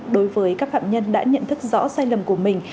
đối với các phạm nhân đã nhận thức rõ sai lầm của mình